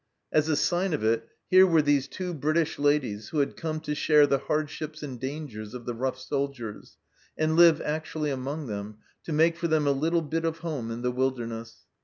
As a sign of it, here were these two British ladies, who had come to share the hardships and dangers of the rough soldiers, and live actually among them, to make for them a little bit of home in the wilderness.